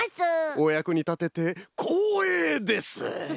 おやくにたててこうえいです！